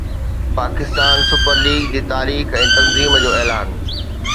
Pakistan super league جي تاريخ ۽ تنظيم جو اعلان